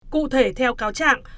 cụ thể theo cáo trạng